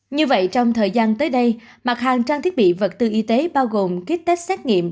như vậy trong thời gian tới đây mặt hàng trang thiết bị vật tư y tế bao gồm kích tết xét nghiệm